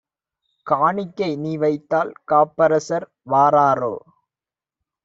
காணிக்கை நீவைத்தால் காப்பரசர் வாராரோ?